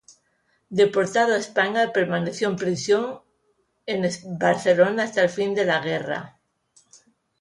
Deportado a España, permaneció en prisión en Barcelona hasta el fin de la guerra.